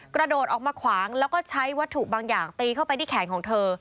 กระโดดออกมาขวางแล้วก็ใช้วัตถุบางอย่างตีเข้าไปที่แขนของเธอ